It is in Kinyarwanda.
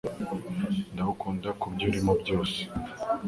Ndagukunda kubyo urimo byose